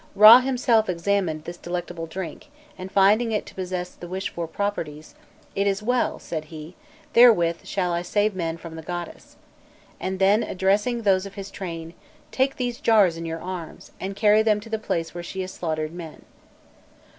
Râ himself examined this delectable drink, and finding it to possess the wished for properties: "'It is well,' said he; 'therewith shall I save men from the goddess;' then, addressing those of his train: 'Take these jars in your arms, and carry them to the place where she has slaughtered men.'